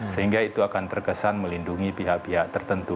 sehingga itu akan terkesan melindungi pihak pihak tertentu